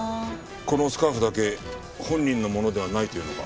このスカーフだけ本人のものではないというのか？